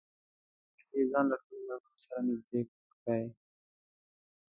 په لږ وخت کې یې ځان له ټولو ملګرو سره نږدې کړی.